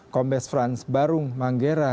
kombes frans barung manggera